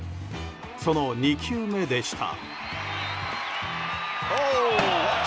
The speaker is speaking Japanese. その２球目でした。